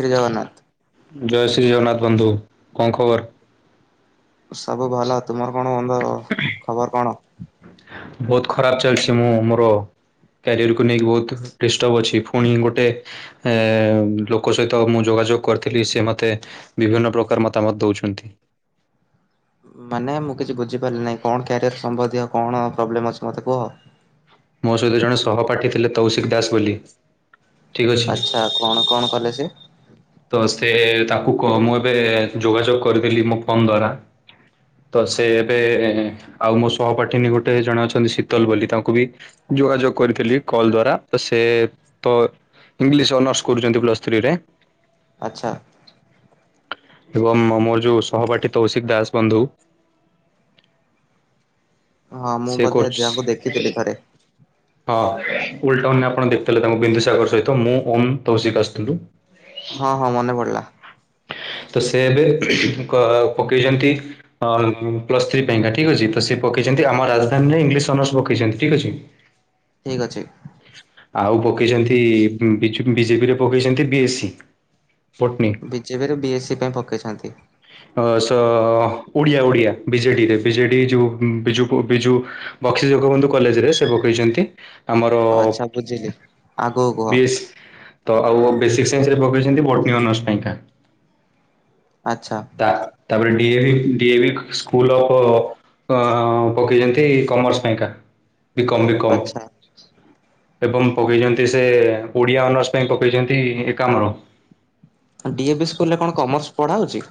ଶ୍ରୀ ଜଗନ୍ନାଥ। ଜୟ ଶ୍ରୀ ଜଗନ୍ନାଥ ବନ୍ଧୁ। କଣ ଖବର? ସବୁ ଭଲ ତୁମର କଣ ବନ୍ଧୁ ଖବର କଣ? ବହୁତ ଖରାପ ଚାଲିଚି ମୁଁ ମୋର କ୍ୟାରିଅରକୁ ନେଇକି ବହୁତ ଡିଷ୍ଟର୍ବ ଅଛି ପୁଣି ଗୋଟେ ଏ ଲୋକ ସହିତ ମୁଁ ଯୋଗାଯୋଗ କରିଥିଲି ସେ ମତେ ବିଭିନ୍ନ ପ୍ରକାର ମତାମତ ଦଉଚନ୍ତି। ମାନେ ମୁଁ କିଛି ବୁଝିପାରିଲି ନାହିଁ କଣ କ୍ୟାରିୟର୍ ସମ୍ବନ୍ଧୀୟ କଣ ପ୍ରୋବ୍ଲେମ୍ ଅଛି ମୋତେ କୁହ? ମୋ ସହିତ ଜଣେ ସହପାଠୀ ଥିଲେ ତୌଶିକ ଦାସ ବୋଲି। ଠିକ ଅଛି ଆଚ୍ଛା କଣ କଣ କଲେ ସେ? ତ ସେ ତାକୁ କ ମୁଁ ଏବେ ଯୋଗାଯୋଗ କରିଦେଲି ମୋ ଫୋନ ଦ୍ଵାରା। ତ ସେ ଏବେ ଆଉ ମୋ ସହପାଠିନୀ ଗୋଟେ ଜଣେ ଅଛନ୍ତି ଶୀତଲ ବୋଲି ତାଙ୍କୁ ବି ଯୋଗାଯୋଗ କରିଥିଲି କଲ୍ ଦ୍ଵାରା ତ ସେ ତ ଇଂଲିଶ୍ ଅନର୍ସ କରୁଛନ୍ତି ପ୍ଲସ୍ ଥ୍ରୀରେ। ଆଚ୍ଛା। ଏବଂ ମୋର ଯୋଉ ସହପାଠୀ ତୌଶିକ ଦାସ ବନ୍ଧୁ। ହଁ ମୁଁ ସେ ବୋଧେ କୋର୍ସ ଯାଙ୍କୁ ଦେଖିଥିଲି ଥରେ। ହଁ ଓଲ ଟାଉନରେ ଆପଣ ଦେଖୁଥିଲେ ତାଙ୍କୁ ବିନ୍ଦୁସାଗର ସହିତ ମୁଁ ଓମ୍ ତୌଶିକ ଆସିଥିଲୁ। ହଁ ହଁ ମନେ ପଡିଲା। ତ ସେ ଏବେ କ ପକେଇଛନ୍ତି। ହଁ ପ୍ଲସ୍ ଥ୍ରୀ ପାଇଁକା ଠିକ ଅଛି ତ ସେ ପକେଇଛନ୍ତି ଆମ ରାଜଧାନୀରେ ଇଂଲିଶ ଅନର୍ସ ପକେଇଛନ୍ତି ଠିକ ଅଛି। ଠିକ୍ ଅଛି। ଆଉ ପକେଇଛନ୍ତି ବିଜେପିରେ ପକେଇଛନ୍ତି ବି ଏସ୍ ସି। ବଟନୀ। ବିଜେପିରେ ବି ଏସ୍ ସି ପାଇଁ ପକେଇଛନ୍ତି। ଅ ସ ଓଡ଼ିଆ ଓଡିଆ ବିଜେଡିରେ ବିଜେଡି ଯୋଉ ବିଜୁ ବିଜୁ ବକ୍ସି ଜଗବନ୍ଧୁ କଲେଜରେ ସେ ପକେଇଛନ୍ତି ଆମ ଆଚ୍ଛା ବୁଝିଲି ଆ ବିଏସ୍ ତ ଆଉ ବେସିକ୍ ସାଇନ୍ସରେ ପକେଇଛନ୍ତି ବଟନି ଅନର୍ସ ପାଇଁକା। ଆଛା। ତା ତାପରେ ଡିଏଭି ଡିଏଭି ସ୍କୁଲ ଅଫ୍ ତ ପକେଇଛନ୍ତି କମର୍ସ ପାଇଁକା ବିକମ ବିକମ୍ ଆଚ୍ଛା। ଏବଂ ପକେଇଛନ୍ତି ସେ ଓଡିଆ ଅନର୍ସ ପାଇଁ ପକେଇଛନ୍ତି ଏକାମ୍ର। ଡିଏ ବି ସ୍କୁଲରେ କଣ କମର୍ସ ପଢ଼ା ହେଉଛି?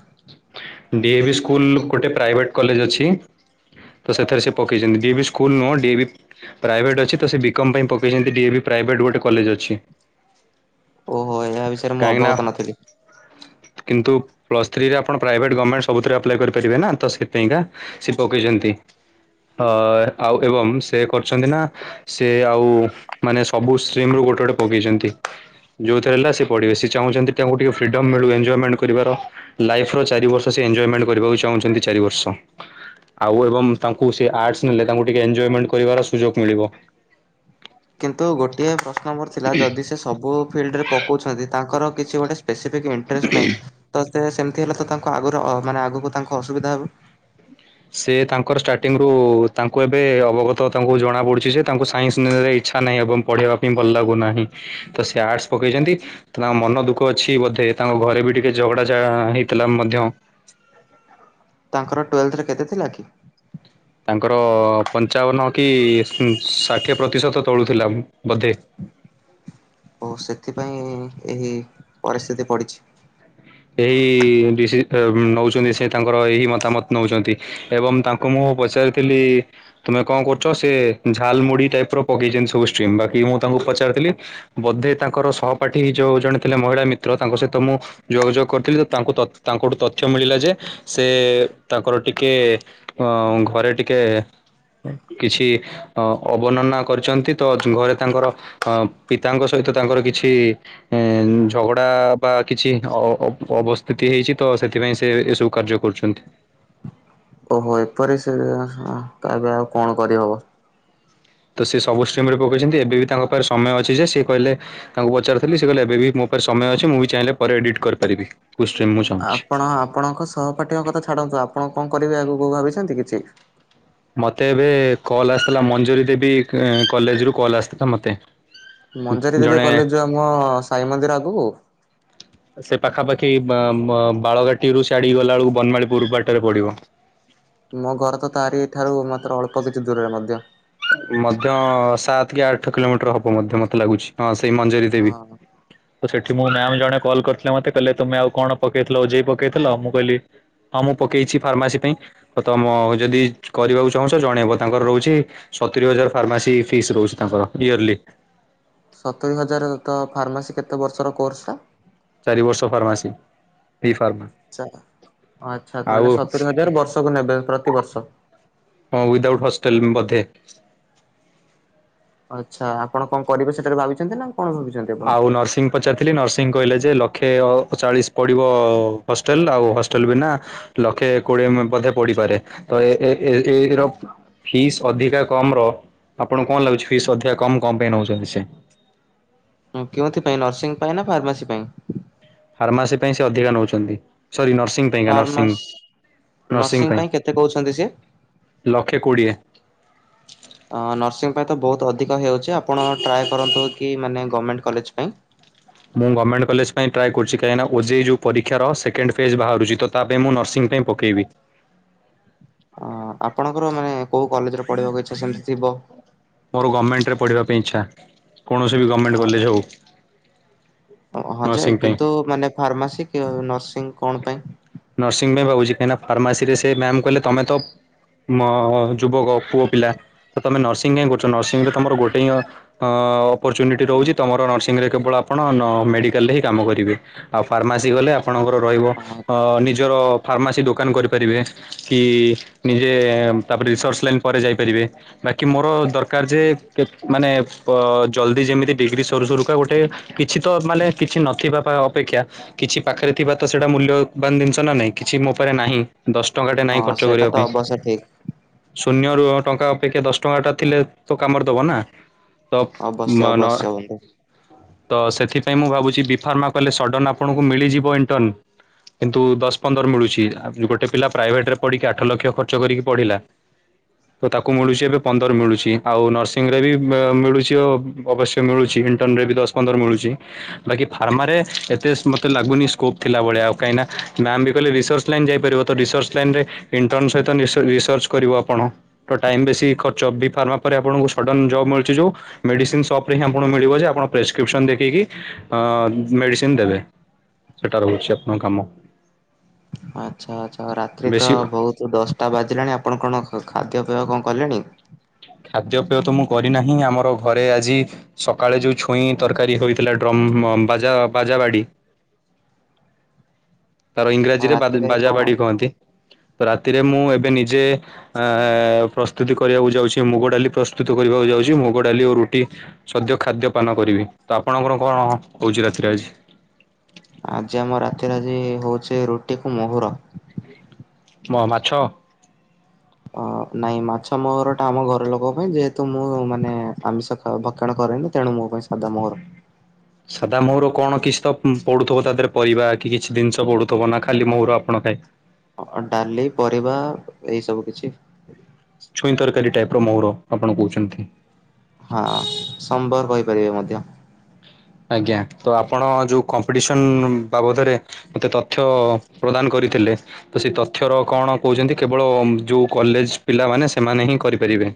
ଡିଏଭି ସ୍କୁଲ ଗୋଟେ ପ୍ରାଇଭେଟ କଲେଜ ଅଛି। ତ ସେଥିରେ ସେ ପକେଇଛନ୍ତି ଡି ଏ ବି ସ୍କୁଲ ନୁହଁ ଡିଏ ବି ପ୍ରାଇଭେଟ ଅଛି ତ ସେ ବିକମ ପାଇଁ ପକେଇଛନ୍ତି ଡି ଏ ବି ପ୍ରାଇଭେଟ ଗୋଟେ କଲେଜ ଅଛି। ଓହୋ ଏହା ବିଷୟରେ ମୁଁ କାହିଁକିନା ଅବଗତ ନଥିଲି। କିନ୍ତୁ ଫ୍ରୀରେ ଆପଣ ପ୍ରାଇଭେଟ୍ ଗମେଣ୍ଟ ସବୁଥିରେ ଆପ୍ଲାଏ କରିପାରିବେ ନା ତ ସେଥିପାଇଁକା ସ ସେ ପକେଇଛନ୍ତି। ଅ ଆଉ ଏବଂ ସେ କରିଛନ୍ତି ନା ସେ ଆଉ ମାନେ ସବୁ ଷ୍ଟ୍ରିମରୁ ଗୋଟେ ଗୋଟେ ପକେଇଛନ୍ତି। ଯେଉଥିରେ ହେଲା ସେ ପଢିବେ ସେ ଚାହୁଁ ତାଙ୍କୁ ଟିକେ ଫ୍ରିଡ଼ମ୍ ମିଳୁ ଏଞଜୟମେଣ୍ଟ କରିବାର। ଲାଇଫର ଚାରି ବର୍ଷ ସେ ଏଞ୍ଜଏମେଣ୍ଟ କରିବାକୁ ଚାହୁଁଛନ୍ତି ଚାରି ବର୍ଷ। ଆଉ ଏବଂ ତାଙ୍କୁ ସେ ଆର୍ଟସ ନେଲେ ତାଙ୍କୁ ଟିକେ ଏଞ୍ଜଏମେଣ୍ଟ କରିବାର ସୁଯୋଗ ମିଳିବ। କିନ୍ତୁ ଗୋଟିଏ ପ୍ରଶ୍ନ ମୋର ଥିଲା ଯଦି ସେ ସବୁ ଫିଲ୍ଡରେ ପଉଛନ୍ତି ତାଙ୍କର କିଛି ଗୋଟେ ସ୍ପେସିଫିକ ଇଣ୍ଟ୍ରେଷ୍ଟ ନାହିଁ। ତ ସେ ସେମିତି ହେଲେ ତ ତାଙ୍କୁ ଆଗରୁ ମାନେ ଆଗକୁ ତାଙ୍କୁ ଅସୁବିଧା ହବ। ସେ ତାଙ୍କର ଷ୍ଟାର୍ଟିଙ୍ଗରୁୁ ତାଙ୍କୁ ଏବେ ଅବଗତ ତାଙ୍କୁ ଜଣା ପଡୁଛି ଯେ ତାଙ୍କୁ ସାଇନ୍ସ ନେବେ ଇଚ୍ଛା ନାହିଁ ଏବଂ? ପଢ଼େଇବା ପାଇଁ ଭଲ ଲାଗୁନାହିଁ ତ ସେ ଆର୍ଟସ୍ ପକେଇଛନ୍ତି? ତା ମନ ଦୁଃଖ ଅଛି ବୋଧେ ତାଙ୍କ ଘରେ ବି ଟିକେ ଝଗଡା ହେଇଥିଲା ମଧ୍ୟ? ତାଙ୍କର ଟୁଏଲ୍ଥ ରେ କେତେ ଥିଲା କି? ତାଙ୍କର ପଂଚାବନା କି ଷାଠିଏ ପ୍ରତିଶତ ତଳୁଥିଲା ବୋଧେ? ଓ ହୋ, ସେଥିପାଇଁ ଏହି ପରିସ୍ଥିତି ପଡିଛି। ଏହି, ଡିସି ନଉଚନ୍ତି, ସେ ତାଙ୍କର ଏହି ମତାମତ ନଉଚନ୍ତି ଏବଂ ତା ତାକୁ ମୁଁ ପଚାରିଥିଲି? ତୁମେ କଣ କରୁଚ, ସେ ଝାଲ୍ ମୁୁଢି ଟାଇପ୍ ର ପକେଇଚନ୍ତି ସବୁ ଷ୍ଟିମ୍, ବାକି ମୁଁ ତାଙ୍କୁ ପଚାରିଥିଲି? ବୋଧେ ତାଙ୍କର ସହପାଠି ଯୋଉ ଜଣେ ଥିଲେ ମହିଳା ମିତ୍ର ତାଙ୍କ ସହିତ ମୁଁ ଯୋଗଯୋଗ କରିଥିଲି, ତ ତାଙ୍କୁ, ତ ତାଙ୍କୁଠୁ ତଥ୍ୟ ମିଳିଲା ଯେ, ସେ ତାଙ୍କର ଟିକେ ଅଁ, ଘରେ ଟିକେ କିଛି- ଅ ଅବର୍ଣ୍ନା କରିଚନ୍ତି ତ, ଘରେ ତାଙ୍କର ଅ ପିତାଙ୍କ ସହିତ ତାଙ୍କର କିଛି ଏଁ, ଝଗଡ଼ା ବା କିଛି ଅ ଅବସ୍ଥିତି ହେଇଚି ତ, ସେଥିପାଇଁ ସେ ଏସବୁ କାର୍ଯ୍ୟ କରୁଚନ୍ତି। ଓହୋ, ଏପରି ସେ, ହଁ ତା ଏବେ ଆଉ କଣ କରିହବ? ତ ସିଏ ସବୁ ଷ୍ଟିମ୍ ରେ ପକେଇଚନ୍ତି, ଏବେ ବି ତାଙ୍କ ପାଖରେ ସମୟ ଅଛି ଯେ, ସିଏ କହିଲେ ତାଙ୍କୁ ପଚାରିଥିଲି, ସେ କହିଲେ ଏବେ ବି ମୋ ପାଖ ସମୟ ଅଛି, ମୁଁ ବି ଚାହିଁଲେ ପରେ ଏଡିଟ୍ କରିପାରିବି। ଚାହୁଁଛି। ଆପଣ, ଆପଣଙ୍କ ସହପାଠୀଙ୍କ କଥା ଛାଡନ୍ତୁ, ଆପଣ କଣ କରିବେ ଆଗକୁ ଭାବିଚନ୍ତି କିଛି? ମତେ ଏବେ କଲ୍ ଆସିଥିଲା, ମଞ୍ଜୁରୀ ଦେବୀ କଲେଜ ରୁ କଲ୍ ଆସିଥିଲା ମୋତେ। ମଞ୍ଜାରୀ ଦେବୀ କଲେଜ, ଯୋଉ ଆମ ସାଇ ମନ୍ଦିର ଆଗକୁ? ସେ ପାଖାପାଖି ବା ବ ବାଳଘାଟିରୁୁ ସିଆଡିକି ଗଲା ବେଳକୁ, ବନମାଳୀପୁର ବାଟରେ ପଡିବ। ମୋ ଘର ତ ତାରିଠାରୁ ମାତ୍ର ଅଳ୍ପ କିଛି ଦୂରରେ ମଧ୍ୟ। ମଧ୍ୟ, ସାତ କି ଆଠ କିଲୋମିଟର ହବ ମଧ୍ୟ ମତେ ଲାଗୁଚି, ହଁ ସେଇ ମଞ୍ଜୁରୀ ଦେବି। ହଁ ତ ସେଠି ମୁଁ ମ୍ୟାମ୍ ଜଣେ କଲ୍ କରିଥିଲେ ମତେ କହିଲେ, ତମେ ଆଉ କଣ ପକେଇଥିଲ ଓଜେଇ ପକେଇଥିଲ? ମୁଁ କହିଲି ହଁ ମୁଁ ପକେଇଚି ଫାର୍ମାସି ପାଇଁ। ଆଉ ତମ ଯଦି କରିବାକୁ ଚାହୁଁଚ ଜଣେଇବ, ତାଙ୍କର ରହୁଚି ସତୁୁରି ହଜାର ଫାର୍ମାସି ଫିସ୍ ରହୁଚି ତାଙ୍କର, ଇୟରର୍ଲି। ସତୁରି ହଜାର ତ, ଫାର୍ମାସି କେତେ ବର୍ଷର କୋର୍ସଟା? ଚାରି ବର୍ଷ ଫାର୍ମାସୀ, ବି ଫାର୍ମା। ଆଛା, ଆଛା, ଆଉ ମାନେ ସତୁରି ହଜାର ବର୍ଷକୁ ନେବେ ପ୍ରତିିବର୍ଷ? ହଁ, ୱିଦଆଉଟ୍ ହଷ୍ଟେଲ ବଧେ। ଆଛା, ଆପଣ କଣ କରିବେ ସେତରେ ଭାବିଚନ୍ତି ନା, କଣ ଭାବିଚନ୍ତି? ଆଉ ନର୍ସିଂ ପଚାରିଥିଲି, ନର୍ସିଂ କହିଲେ ଯେ, ଲକ୍ଷେ ଅ ଚାଳିଶ ପଡ଼ିବ ହଷ୍ଟେଲ, ଆଉ ହଷ୍ଟେଲ ବିନା ଲକ୍ଷେ କୋଡିଏ ମ ବଧେ ପଡିପାରେ, ତ ଏ, ଏ, ଏ ଏଇ ର ଫିସ୍ ଅଧିକା କମ୍ ର, ଆପଣଙ୍କୁ କଣ ଲାଗୁଚି, ଫିସ୍ ଅଧିକା କମ୍ କଣ ପାଇଁ ନେଉଚନ୍ତି ସେ? ହଁ, କେଉଁଥି ପାଇଁ, ନର୍ସିଂ ପାଇଁ ନା ଫାର୍ମାସି ପାଇଁ? ଫାର୍ମାସି ପାଇଁ ସେ ଅଧିକା ନେଉଚନ୍ତି, ସରି ନର୍ସିଂ ପାଇଁକା ନର୍ସିଙ୍ଗ, ଫାର୍ମାସି ନର୍ସିଙ୍ଗ ନର୍ସିଂ ପାଇଁ, କେତେ କହୁଛନ୍ତି ସିଏ? ଲକ୍ଷ କୋଡିଏ। [unintelligible] ଅଁ, ନର୍ସିଂ ପାଇଁ ତ ବହୁତ ଅଧିକ ହେଇଯାଉଚି, ଆପଣ ଟ୍ରାଏ କରନ୍ତୁ କି ମାନେ, ଗମେଣ୍ଟ କଲେଜ ପାଇଁ। ମୁଁ ଗମେଣ୍ଟ କଲେଜ ପାଇଁ ଟ୍ରାଏ କରୁଚି କାହିଁନା ଓଯେଇ ଯେଉ ପରୀକ୍ଷା ର ସେକେଣ୍ଡ ଫେଜ୍ ବାହାରୁଚି ତ ତା ପାଇଁ ମୁଁ ନର୍ସିଂ ପାଇଁ ପକେଇବି। ଅ, ଆପଣଙ୍କର ମାନେ କୋଉ କଲେଜରେ ପଢ଼ିବାକୁ ଇଛା ସେମିତି ଥିବ? ମୋର ଗମେଣ୍ଟ ରେ ପଢ଼ିବା ପାଇଁ ଇଛା, କୌଣସି ବି ଗମେଣ୍ଟ କଲେଜ ହଉ। ହଁ, ହଁ ଯେ, ପାଇଁ କିନ୍ତୁ ମାନେ ଫାର୍ମାସି କି ନର୍ସିଂ କଣ ପାଇଁ? ନର୍ସିଂ ପାଇଁ ଭାବୁଚି, କାହିଁକିନା ଫାର୍ମାସିରେ ସେ ମ୍ୟାମ୍ କହିଲେ ତମେ ତ ମୋ ଯୁବକ, ପୁଅ ପିଲା, ତ ତମେ ନର୍ସିଂ କାହିଁ କରୁଚ? ନର୍ସିଂ ରେ ତମର ଗୋଟେ ହିଁ ଅଁ ଅପର୍ର୍ଚୁନିଟି ରହୁଚି, ତମର ନର୍ସିଂରେ କେବଳ ଆପଣ ମେଡିକାଲରେ ହିଁ କାମ କରିବେ। ଆଉ ଫାର୍ମାସି ଗଲେ ଆପଣଙ୍କର ରହିବ ନିଜର ଫାର୍ମାସି ଦୋକାନ କରିପାରିବେ। କି ନିଜେ ତାପରେ ରିସର୍ଚ ଲାଇନ ପରେ ଯାଇପାରିବେ। ବାକି ମୋର ଦରକାର ଯେ ମାନେ ପ ଜଲ୍ଦି ଯେମିତି ଡିଗ୍ରୀ ସରୁସରୁକା ଗୋଟେ କିଛି ତ ମାନେ କିଛି ନଥିବା ଅପେକ୍ଷା କିଛି ପାଖରେ ଥିବା ତ ସେଇଟା ମୂଲ୍ୟବାନ ଜିନିଷ ନ ନାହିଁ କିଛି ମୋ ଉପରେ ନାହିଁ। ଦଶ ଟଙ୍କାଟେ ହଁ ନାହିଁ ଖର୍ଚ୍ଚ ସେଇଟା ତ କରିବା ପାଇଁ। ଅବଶ୍ୟ ଠିକ। ଶୂନ୍ୟରୁ ଟଙ୍କା ଅପେକ୍ଷା ଦଶ ଟଙ୍କାଟା ଥିଲେ ତ କାମରେ ଦବ ନା। ତ ଅବଶ୍ୟ ମାନ ଅବଶ୍ୟ ବନ୍ଧୁ ତ ସେଥିପାଇଁ ମୁଁ ଭାବୁଛି ବି ଫାର୍ମା କଲେ ସଡ଼ନ ଆପଣଙ୍କୁ ମିଳିଯିବ ଇଣ୍ଟର୍ନ। କିନ୍ତୁ ଦଶ ପନ୍ଦର ମିଳୁଛି ଗୋଟେ ପିଲା ପ୍ରାଇଭେଟରେ ପଢିକି ଆଠ ଲକ୍ଷ ଖର୍ଚ୍ଚ କରିକି ପଢିଲା। ତ ତାକୁ ମିଳୁଛି ଏବେ ପନ୍ଦର ମିଳୁଛି ଆଉ ନର୍ସିଂରେ ବି ମିଳୁଛି ଓ ଅବଶ୍ୟ ମିଳୁଛି ଇଣ୍ଟର୍ନରେ ବି ଦଶ ପନ୍ଦର ମିଳୁଛି ବାକି ଫାର୍ମାରେ ଏତେ ମତେ ଲାଗୁନି ସ୍କୋପ ଥିଲା ଭଳିଆ ଆଉ କାହିଁ ନା ମ୍ୟାମ ବି କହିଲେ ରିସର୍ଚ ଲାଇନ୍ ଯାଇପାରିବ ତ ରିସର୍ଚ ଲାଇନରେ ଇଣ୍ଟର୍ନ ସହିତ ରିସ ରିସର୍ଚ୍ଚ କରିବ ଆପଣ। ତ ଟାଇମ ବେଶୀ ଖର୍ଚ୍ଚ ବି ଫାର୍ମା ପରେ ଆପଣଙ୍କୁ ସଡନ ଜବ ମିଳୁଛି ଯୋଉ ମେଡ଼ିସିନ ସପ୍ ରେ ହିଁ ଆପଣ ମିଳିବ ଯେ ଆପଣ ପ୍ରେସ୍କ୍ରିପସନ ଦେଖିକି ମେଡ଼ିସିନ ଦେବେ। ସେଟା ରହୁ ଅଛି ଆପଣ କାମ। ଆଚ୍ଛା ଆଛା ରାତି ତ ବେଶୀ ବହୁତ୍ ତୁ ଦଶଟା ବାଜିଲାଣି ଆପଣ କଣ ଖାଦ୍ୟପେୟ କଣ କଲେଣି? ଖାଦ୍ୟପେୟ ତ ମୁଁ କରିନାହିଁ ଆମର ଘରେ ଆଜି ସକାଳେ ଯୋଉ ଛୁଇଁ ତରକାରୀ ହୋଇଥିଲା ଡ୍ରମ ବାଜା ବାଜା ବାଡି। ତାର ଆଉ ଇଂରାଜୀରେ ବା ରାତିରେ ବାଜା କଣ ବାଡି କୁହନ୍ତି ତ ରାତିରେ ମୁଁ ଏବେ ନିଜେ ଆ ପ୍ରସ୍ତୁତି କରିବାକୁ ଯାଉଛି ମୁଗ ଡାଲି ପ୍ରସ୍ତୁତୁ କରିବାକୁ ଯାଉଛି ମୁଗ ଡାଲି ଓ ରୁଟି। ସଦ୍ୟ ଖାଦ୍ୟପାନ କରିବି ତ ଆପଣଙ୍କର କଣ ହଉଛି ରାତିରେ ଆଜି ଆଜି ଆମ ରାତିରେ ଆଜି ହଉଛି ରୁଟି କୁ ମହୁର। ମ ମାଛ। ଅ ନାଇଁ ମାଛ ମହରଟା ଆମ ଘର ଲୋକ ପାଇଁ ଯେହେତୁ ମୁଁ ମାନେ ଆମିଷ ତ ଭକ୍ଷଣ କରେନି ତେଣୁ ମୋ ପାଇଁ ସାଦା ମୋହର। ସାଧା ମହୁର କଣ କିଛି ତ ପଡୁଥିବ ତା ଦେହରେ ପରିବା କିଛି ଜିନିଷ ପଡୁ ତ ବନା ଖାଲି ମହୁର ଆପଣ ଖାଇ ଡାଲି ପରିବା ଏଇ ସବୁ କିଛି। ଛୁଇଁ ତରକାରୀ ଟାଇପର ମହୁର ଆପଣ କହୁଛନ୍ତି। ହଁ ସମ୍ବର କହିପାରିବେ ମଧ୍ୟ। ଆଜ୍ଞା ତ ଆପଣ ଯୋଉ କମ୍ପିଟିସନ ବାବଦରେ ମୋତେ ତଥ୍ୟ ପ୍ରଦାନ କରିଥିଲେ। ତ ସେ ତଥ୍ୟର କଣ କହୁଛନ୍ତି କେବଳ ଯୋଉ କଲେଜ ପିଲାମାନେ ସେମାନେ ହିଁ କରିପାରିବେ।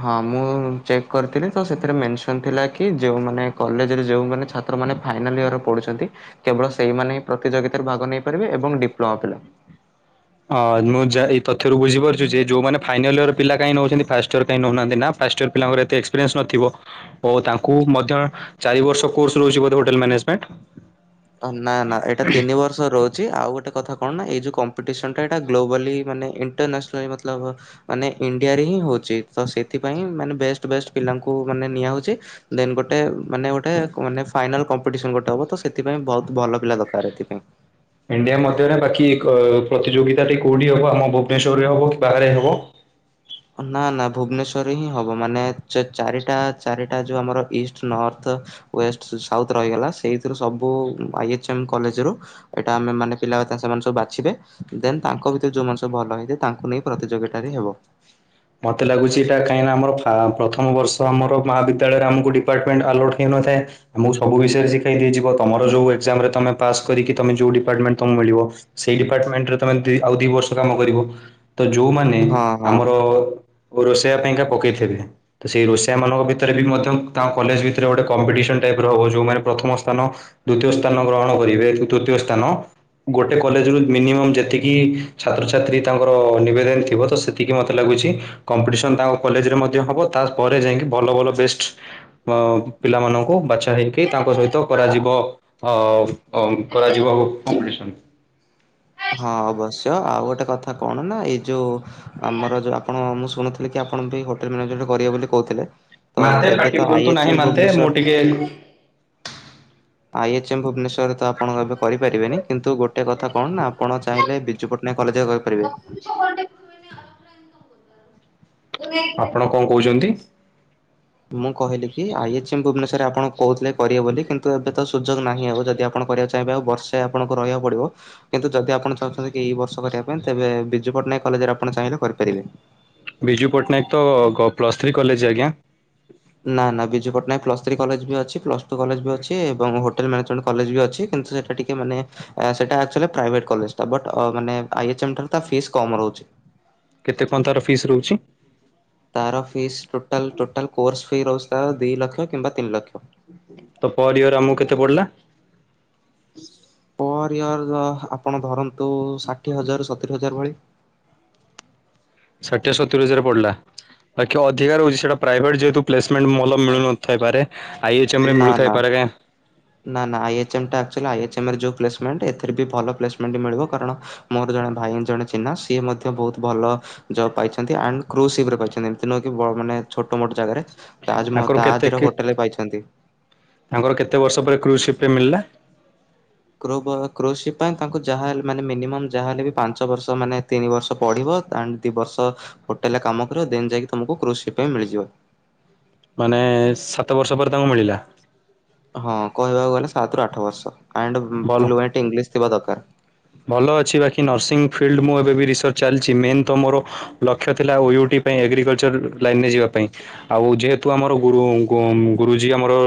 ହଁ ମୁଁ ଚେକ୍ କରିଥିଲି ତ ସେଥିରେ ମେନସନ୍ ଥିଲା କି ଯେଉମାନେ କଲେଜରେ ଯେଉଁମାନେ ଛାତ୍ର ମାନେ ଫାଇନାଲ୍ ଇୟର ପଢୁଛନ୍ତି କେବଳ ସେଇମାନେ ଏ ପ୍ରତିଯୋଗିତାରେ ଭାଗ ନେଇପାରିବେ ଏବଂ ଡିପ୍ଲୋମା ପିଲା। ହଁ ମୁଁ ଯା ଏ ତଥ୍ୟରୁ ବୁଝିପାରୁଛି ଯେ ଯୋଉମାନେ ଫାଇନାଲ ୟର ପିଲା କାହି ନଉଛନ୍ତି ଫାଷ୍ଟ ଇୟର କାଇଁ ନଉନାହାନ୍ତି ନା ଫାଷ୍ଟଇୟର ପିଲାଙ୍କର ଏତେ ଏକ୍ସପିରିଏନ୍ସ ନଥିବ। ଓ ତାଙ୍କୁ ମଧ୍ୟ ଚାରି ବର୍ଷ କୋର୍ସ ରହୁଛିବୋଧେ ହୋଟେଲ ମାନେଜମେଣ୍ଟ। ନା ନା ଏଟା ତିିନି ବର୍ଷ ଥର ରହୁଛି ଆଉ ଗୋଟେ କଥା କଣ ନା ଏଇ ଯେଉଁ କମ୍ପିଟିସନ୍ଟା ଏଇଟା ଗ୍ଲୋବାଲି ମାନେ ଇଣ୍ଟରନ୍ୟାସନାଲି ମତଲବ ମାନେ ଇଣ୍ଡିଆରେ ହିଁ ହଉଛି ତ ସେଥିପାଇଁ ମାନେ ବେଷ୍ଟ ବେଷ୍ଟ ପିଲାଙ୍କୁ ମାନେ ନିଆହଉଛି। ଦେନ ଗୋଟେ ମାନେ ଗୋଟେ ଫାଇନାଲ କମ୍ପିଟିସନ୍ ଗୋଟେ ହବ ତ ସେ ସେଥିପାଇଁ ବହୁତ ଭଲ ପିଲା ଦରକାର ଏଥିପାଇଁ। ଇଣ୍ଡିଆ ମଧ୍ୟରେ ବାକି ପ୍ରତିଯୋଗିତାଟି କୋଉଠି ହବ ଆମ ଭୁବନେଶ୍ଵରରେ ହବ ବାହାରେ ହବ? ନା ନା ଭୁବନେଶ୍ୱରରେ ହିଁ ହବ ମାନେ ଚାରିଟା ଚାରି ସେଇଟା ଯେଉଁ ଆମର ଇଷ୍ଟ ନର୍ଥ ୱଷ୍ଟ ଷ୍ଟଉଥ ରହିଗଲା ସେଇଥିରୁ ସବୁ ପାଇଯାଇଛନ୍ତି କଲେଜରୁ। ଏଇଟା ଆମେ ମାନେ ପିଲା ସେମାନେ ସବୁ ବାଛିବେ ଦେନ୍ ତାଙ୍କ ଭିତରେ ଯୋଉ ମଣିଷ ଭଲ ହେଇଥାଏ ତାଙ୍କୁ ନେଇ ପ୍ରତିଯୋଗତାାରେ ହେବ। ମୋତେ ଲାଗୁଛି ଏଇଟା କାହିଁକି ଆମର ପ୍ରଥମ ବର୍ଷ ଆମର ମହାବିଦ୍ୟାଳୟରେ ଆମକୁ ଡିପାର୍ଟମେଣ୍ଟ ଆଲୋଟ୍ ହେଇନଥାଏ ଆମକୁ ସବୁ ବିଷୟରେ ଶିଖାଇ ଦିଆଯିବ ତମର ଯୋଉ ଏକ୍ଜାମ ରେ ପାସ୍ କରିକି ତମେଯୋଉ ଡିପାର୍ଟମେଣ୍ଟ ତମକୁ ମିଳିବ। ସେଇ ଡିପାର୍ଟମେଣ୍ଟରେ ତମେ ଆଉ ଦି ବର୍ଷ କାମ କରିବ ତ ଯୋଉମାନେ ହଁ ହଁ ଆମର ଓ ରୋଷେଇବା ପାଇଁକା ପକେଇଥିବେ? ସେଇ ରୋଷେଇଆ ମାନଙ୍କ ଭିତରେ ବି ମଧ୍ୟ ତାଙ୍କ କଲେଜ ଭିତରେ ଗୋଟେ କମ୍ପିଟିସନ ଟାଇପ ର ହବ ଯୋଉମାନେ ପ୍ରଥମ ସ୍ଥାନ ଦ୍ଵିତୀୟ ସ୍ଥାନ ଗ୍ରହଣ କରିବେ ତୃତୀୟ ସ୍ଥାନ ଗୋଟେ କଲେଜରୁ ମିନିମମ୍ ଯେତିକି ଛାତ୍ରଛାତ୍ରୀ ତାଙ୍କର ନିବେଦନ ଥିବ ତ ସେତିକି ମୋତେ ଲାଗୁଛି କମ୍ପିଟିସନ ତାଙ୍କ କଲେଜରେ ମଧ୍ୟ ହବ ତା ପରେରେ ଯାଇକି ଭଲ ଭଲ ବେଷ୍ଟ ଅ ପିଲାମାନଙ୍କୁ ବାଛା ହେଇକି ତାଙ୍କ ସହିତ କରାଯିବ ଅ କରାଯିବ କପିଟିସନ। ହଁ ଅବଶ୍ୟ ଆଉ ଗୋଟେ କଥା କଣ ନା ଏଇ ଯୋଉ ଆମର ଯୋଉ ଆପଣ ମୁଁ ଶୁଣିଥିଲିକି ଆପଣ ବି ହୋଟେଲ ମାନେଜେଣ୍ଟିବେ ବୋଲି କହୁଥିଲେ। ତ ଏବେ ତ ଆଇ ଏଚ ଏ ଭୁବନେଶ୍ଵର ଏଇ। ଆଇ ଏଚ ଏମ୍ ଭୁବନେଶ୍ୱରରେ ତ ଆପଣ ଏବେ କରିପାରିବେନି କିନ୍ତୁ ଗୋଟେ କଥା କଣ ନା ଆପଣ ଚାହିଁଲେ ବିଜୁ ପଟ୍ଟନାୟକ କଲେଜ ଆପଣ କଣ କହୁଛନ୍ତି? ମୁଁ କହିଲି କି ଆଇ ଏଚମ୍ ଭୁବନେଶ୍ୱରରେ ଆପଣ କହୁଥିଲେ କରିବେ ବୋଲି କିନ୍ତୁ ଏବେ ତ ସୁଯୋଗ ନାହିଁ ଆଉ ଯଦି ଆପଣ କରିବାକୁ ଚା ତେବେ ଆଉ ବର୍ଷେ ଆପଣଙ୍କୁ ରହିବାକୁ ପଡ଼ିବ। କିନ୍ତୁ ଯଦି ଆପଣ ଚାହୁଁଛନ୍ତି ଏଇ ବର୍ଷ କରିବା ପାଇଁ ତେବେ ବିଜୁ ପଟ୍ଟନାୟକ କଲେଜରେ ଆପଣ ଚାହିଁଲେ କରିପାରିବେ। ବିଜୁ ପଟ୍ଟନାୟକ ତ ପ୍ଲସ୍ ଥ୍ରୀ କଲେଜ ଆଜ୍ଞା। ନା ନା Biju Patnaik plus three college ବି ଅଛି ପ୍ଲସ୍ ଟୁ କଲେଜ ବି ଅଛି ଏବଂ [unintelligible] କଲେଜ ବି ଅଛି କିନ୍ତୁ ସେଟା ଟିକେ ମାନେ ସେଟା ଆକ୍‌ଚ୍ବାଲି ପ୍ରାଇଭେଟ କଲେଜ୍ ବଟ ଅ ମାନେ ଆଇ ଏଚ୍ ନିଠାରୁ ତା ଫିସ୍ କମ ରହୁଛି। କେତେ ପନ୍ଦର ଫିସ୍ ରହୁଛି? ତାର ଫିସ୍‌ ଟୋଟାଲ କୋର୍ସ ଫି ରହୁଛି ତ ଦି ଲକ୍ଷ କିମ୍ବା ତିନି ଲକ୍ଷ। ତ ପରୟର ଆମକୁ କେତେ ପଡିଲା? ପର ଇୟର୍ ଆପଣ ଧରନ୍ତୁ ଷାଠିଏ ହଜାର ସତୁରି ହଜାର ଭଳି। ଷାଠିଏ ସତୁରି ହଜାର ପଡିଲା। ଆ ଅଧିକ ରଉଛି ସେଟା ପ୍ରାଇଭେଟ ଯେହେତୁ ପ୍ଲେସମେଣ୍ଟଲ ମିଳୁନଥାଇପାରେ। ଆଇ ଏଚ୍ ଏମ୍ରେ ନା ନା ମିଳୁଥାଏ ପାରେ। ନା ନା ଆଇ ଏଚ୍ପ୍ମେଣ୍ଟ ଆକ ଆକାଚ୍ବାଲି ଏଥିରେ ବି ଭଲ ପ୍ସମେଣ୍ଟ ମିଳିବ କାରଣ ମୋର ଜଣେ ଭାଇ ଜଣେ ଚିହ୍ନା ସିଏ ମଧ୍ୟ ବହୁତ ଭଲ ଜବ ପାଇଛନ୍ତି ଆ କ୍ରପ ସିଘ୍ର ପାଇଛନ୍ତି ଏମିତି ନୁଁ ମାନେ ଛୋଟ ମୋଟ ଜାଗାରେ ତାଜ ମହ ତାଙ୍କର କେତେ ତାଜ କି ହୋଟେଲରେ ପାଇଛନ୍ତି। ତାଙ୍କର କେତେ ବର୍ଷ ପରେ କ୍ରୁଜ୍ସିିପ୍ରେଳିଲା? କ୍ରୋସିପ ପାଇଁ ତାଙ୍କୁ ଯାହାହଲେ ମାନେ ମିନିମମ୍ ଯାହାହଲେ ବି ପାଞ୍ଚ ବର୍ଷ ମାନେ ତିନି ବର୍ଷ ପଢିବ। ଦି ବର୍ଷ ହୋଟେଲରେ କାମ କରିବ ଦିନ ଯାଇକି ତମକୁ କୃଷି ପାଇଁ ମିଳିଯିବ। ମାନେ ସାତ ବର୍ଷ ପରେ ତାଙ୍କୁ ମିଳିଲା। ହଁ କହିବାକୁ ଗଲେ ସାତ ରୁ ଆଠ ବର୍ଷ ଆଣ୍ଡ ଭଲ ଫ୍ଲି ଅନ୍ତ୍ ଇଂଲିଶ ଥିବା ଦରକାର। ଭଲ ଅଛି ବାକି ନର୍ସିଂ ଫିଲ୍ଡ ମୁଁ ଏବେ ବି ରିସର୍ଚ୍ଚ ଚାଲିଛି ମେନ୍ ତ ମୋର ଲକ୍ଷ୍ୟ ଥିଲା ଓୟୁଟି ପାଇଁ ଏଗ୍ରିକଲଚର ଲାଇନ୍ରେ ଯିବା ପାଇଁ। ଆଉ ଯେହେତୁ ଆମର ଗୁରୁ ଗୁଁ ଗୁରୁଜୀ ଆମର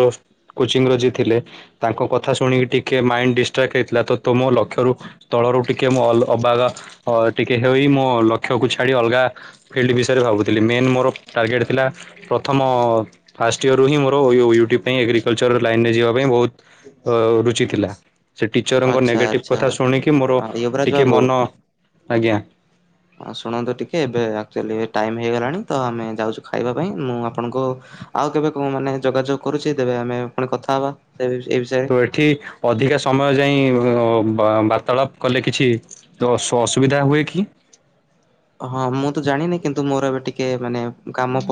କୋଚିଂ ର ଯି ଥିଲେ ତାଙ୍କ କଥା ଶୁଣିକି ଟିକେ ମାଇ ଡିଷ୍ଟ୍ରାକ୍ଟ ହେଇଥିଲା ତ ତମ ଲକ୍ଷରୁ ସ୍ଥଳରୁ ଟିକେ ମୁଁ ଅଲ ଅବାଗ ଅ ଟିକେ ହେ ମୋ ଲକ୍ଷ୍ୟକୁ ଛାଡି ଅଲଗା ଫିଲ୍ଡ ବିଷୟରେ ଭାବୁଥିଲି ମେନ୍ ମୋର ଟାର୍ଗେଟ୍ ଥିଲା ପ୍ରଥମ ଫାଷ୍ଟ ଇୟରୁ ହିଁ ମୋର ୟୁଟିୁ ପାଇଁ ଏଗ୍ରିକଲଚର ଲାଇନ୍ରେ ଯିବା ପାଇଁ ବହୁତ ଅ ରୁଚି ଥିଲା ସେ ଟିଚରଙ୍କ ଆଚ୍ଛା ନେଗେଟିଭ ଆଚ୍ଛା କଥା ଶୁଣିକି ମୋର ଆ ୟୁବରାଜ ଟିକେ ମନ ହ ଆଜ୍ଞା। ହଁ ଶୁଣନ୍ତୁ ଟିକେ ଏବେ ଆକ୍ଚୁଆଲି ଟାଇମ୍ ହେଇଗଲାଣି ତ ଆମେ ଯାଉଛୁ ଖାଇବା ପାଇଁ ମୁଁ ଆପଣଙ୍କୁ ଆଉ କେବେ କ ମାନେ ଯୋଗାଯୋଗ କରୁଛି ତବେ ଆମେ ପୁଣି କଥା ହବା ଏ ବିଷୟରେ। ତ ଏଠି ଅଧିକା ସମୟ ଯାଇ ବାର୍ତ୍ତାଳାପ କଲେ କିଛି ତ ଅ ସ ଅସୁବିଧା ହୁଏ କି। ହଁ ମୁଁ ତ ଜାଣିନି କିନ୍ତୁ ମୋର ଏବେ ଟିକେ ମାନେ କାମ ପ